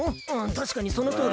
たしかにそのとおりだな。